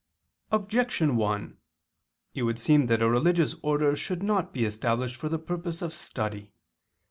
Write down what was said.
Objection 1: It would seem that a religious order should not be established for the purpose of study.